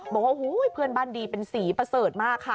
บอกว่าเพื่อนบ้านดีเป็นสีประเสริฐมากค่ะ